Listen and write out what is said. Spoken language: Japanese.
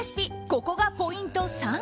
ここがポイント３。